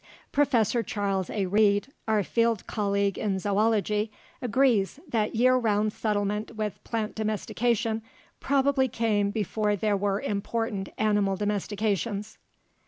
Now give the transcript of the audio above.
Professor Charles A. Reed, our field colleague in zoology, agrees that year round settlement with plant domestication probably came before there were important animal domestications.